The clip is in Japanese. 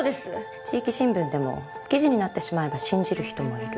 地域新聞でも記事になってしまえば信じる人もいる。